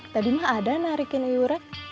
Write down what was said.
tadi mah ada narikin iuran